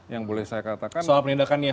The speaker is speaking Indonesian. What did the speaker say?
yang boleh saya katakan soal penindakannya